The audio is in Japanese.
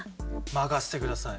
任せてください！